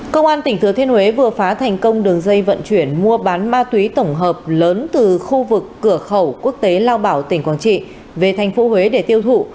công an tỉnh thừa thiên huế vừa phá thành công đường dây vận chuyển mua bán ma túy tổng hợp lớn từ khu vực cửa khẩu quốc tế lao bảo tỉnh quảng trị về thành phố huế để tiêu thụ